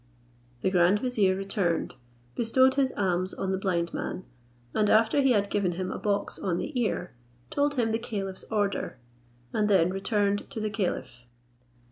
The grand vizier returned, bestowed his alms on the blind man, and after he had given him a box on the ear, told him the caliph's order, and then returned to the caliph.